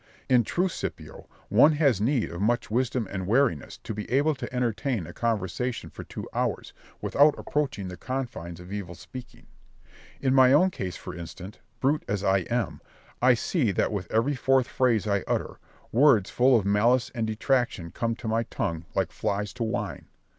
In truth, Scipio, one had need of much wisdom and wariness to be able to entertain a conversation for two hours, without approaching the confines of evil speaking. In my own case, for instance, brute as I am, I see that with every fourth phrase I utter, words full of malice and detraction come to my tongue like flies to wine.